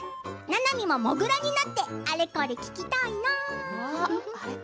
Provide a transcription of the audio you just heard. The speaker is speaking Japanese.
ななみももぐらになってあれこれ聞きたいな。